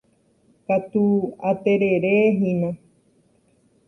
Katu atererehína.